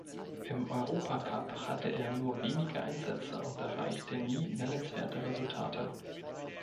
Im Europacup hatte er nur wenige Einsätze und erreichte nie nennenswerte Resultate.